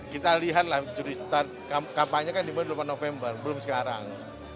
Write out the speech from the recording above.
kita lihatlah juri start kampanye kan dimulai dua puluh delapan november belum sekarang